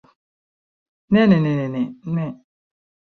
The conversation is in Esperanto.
Ne ne ne ne. Ne.